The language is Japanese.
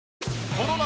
この夏